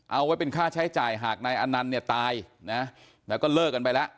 เอาไว้เป็นค่าใช้จ่ายหากนายอนันต์เนี่ยตายนะแล้วก็เลิกกันไปแล้ว